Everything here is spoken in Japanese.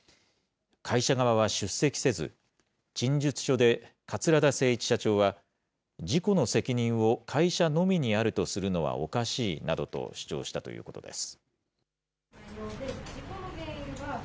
会社側は出席せず、陳述書で桂田精一社長は、事故の責任を会社のみにあるとするのはおかしいなどと主張したということです。